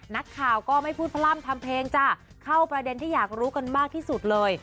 นักข่าวก็ไม่พูดพร่ำทำเพลงจ้ะเข้าประเด็นที่อยากรู้กันมากที่สุดเลย